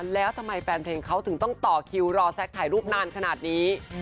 แล้วทำไมแฟนเพลงเขาถึงต้องต่อคิวรอแซคถ่ายรูปนานขนาดนี้